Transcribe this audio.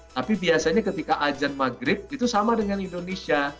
tapi biasanya ketika ajan maghrib itu sama dengan indonesia